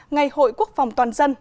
ngày hội quốc phòng toàn dân